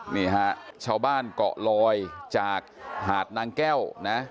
นี่ฮะชาวบ้านเกาะลอยจากหาดนางแก้วนะ